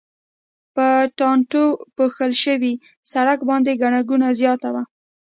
په ټانټو پوښل شوي سړک باندې ګڼه ګوڼه زیاته وه.